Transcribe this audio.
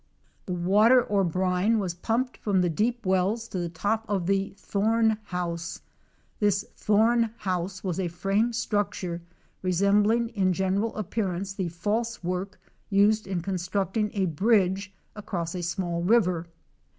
The water or brine was pumped from the deep wells to the top of the "thorn house." This thorn house was a frame structure resem bling in general appearance the false work used in constructing a bridge across a small river.